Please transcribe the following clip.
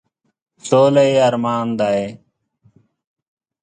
سوله یې ارمان دی ،.